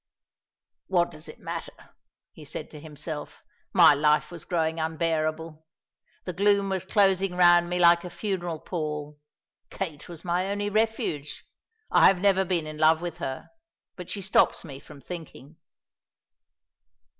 "What does it matter?" he said to himself. "My life was growing unbearable. The gloom was closing round me like a funeral pall. Kate was my only refuge. I have never been in love with her; but she stops me from thinking."